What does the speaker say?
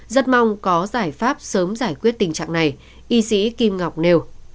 rất mong có giải pháp sớm giải quyết tình trạng này y sĩ kim ngọc nêu